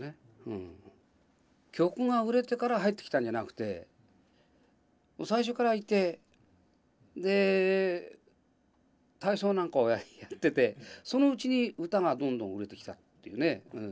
曲が売れてから入ってきたんじゃなくて最初からいて体操なんかをやっててそのうちに歌がどんどん売れてきたっていうね。